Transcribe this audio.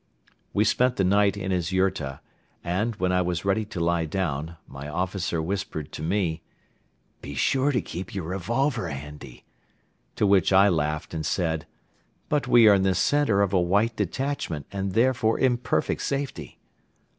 We spent the night in his yurta and, when I was ready to lie down, my officer whispered to me: "Be sure to keep your revolver handy," to which I laughed and said: "But we are in the center of a White detachment and therefore in perfect safety!"